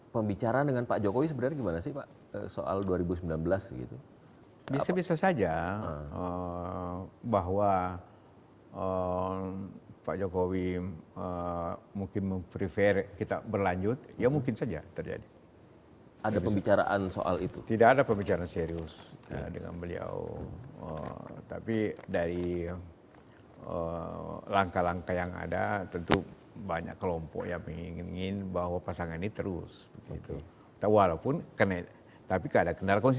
pembicaraan dengan pak jokowi sebenarnya gimana sih pak